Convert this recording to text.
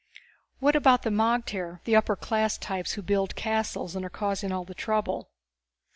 "What about the magter, the upper class types who build castles and are causing all this trouble?"